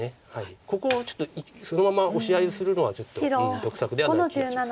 ここそのままオシ合いするのはちょっと得策ではない気がします。